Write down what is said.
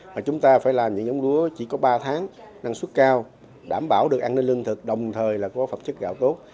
mà chúng ta phải làm những giống lúa chỉ có ba tháng năng suất cao đảm bảo được an ninh lương thực đồng thời là có phẩm chất gạo tốt